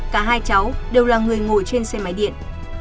cả hai cháu đều là người ngồi trên xe máy điện